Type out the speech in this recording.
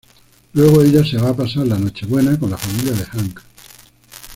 Luego ella se va a pasar la Nochebuena con la familia de Hank.